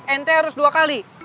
ente harus dua kali